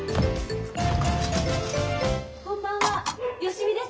・こんばんは芳美です。